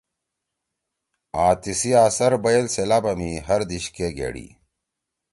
ا تی سی آثر بئیل سیلابا می ہر دیِش کے گھیڑی۔